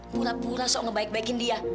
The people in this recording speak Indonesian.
pura pura so ngebaik baikin dia